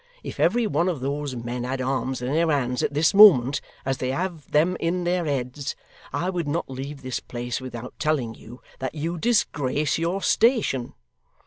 If every one of those men had arms in their hands at this moment, as they have them in their heads, I would not leave this place without telling you that you disgrace your station.